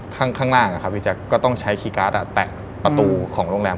ข้างล่างก็ต้องใช้คีย์การ์ดแตะประตูของโรงแรม